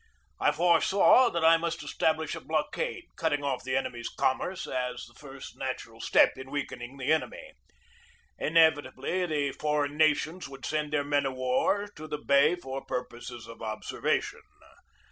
I foresaw that I must establish a blockade, cut 252 A PERIOD OF ANXIETY 253 ting off the enemy's commerce as the first natural step in weakening the enemy. Inevitably the for eign nations would send their men of war to the bay for purposes of observation.